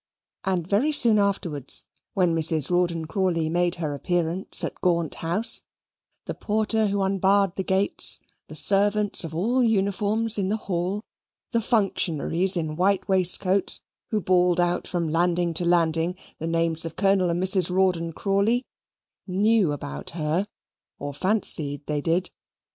And very soon afterwards, when Mrs. Rawdon Crawley made her appearance at Gaunt House, the porter who unbarred the gates, the servants of all uniforms in the hall, the functionaries in white waistcoats, who bawled out from landing to landing the names of Colonel and Mrs. Rawdon Crawley, knew about her, or fancied they did.